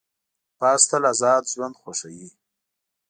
باز تل آزاد ژوند خوښوي